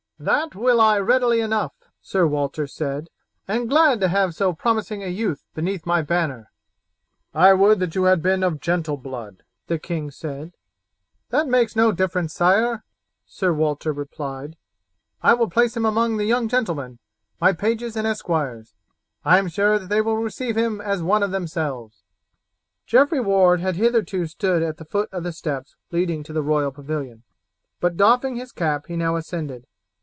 "That will I readily enough," Sir Walter said, "and glad to have so promising a youth beneath my banner." "I would that you had been of gentle blood," the king said. "That makes no difference, sire," Sir Walter replied. "I will place him among the young gentlemen, my pages and esquires, and am sure that they will receive him as one of themselves." Geoffrey Ward had hitherto stood at the foot of the steps leading to the royal pavilion, but doffing his cap he now ascended.